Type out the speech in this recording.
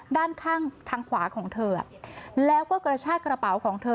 ด้านข้างทางขวาของเธอแล้วก็กระชากระเป๋าของเธอ